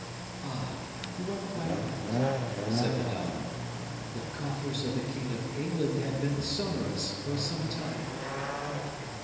"Ah! you are quite right," said Madame; "the coffers of the king of England have been sonorous for some time."